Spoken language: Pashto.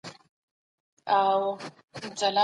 مه پرېږدئ چي بې بنسټه خبري خپرې سي.